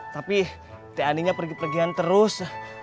tapi t'aninya pergi pergian terus